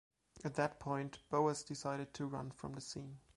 At that point, Boas decided to run from the scene.